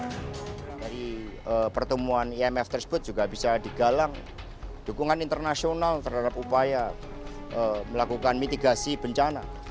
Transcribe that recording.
dari pertemuan imf tersebut juga bisa digalang dukungan internasional terhadap upaya melakukan mitigasi bencana